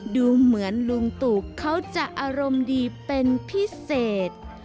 ดูเหมือนลุงตู่เขาจะอารมณ์ดีเป็นพิเศษ